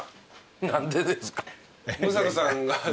何でですか。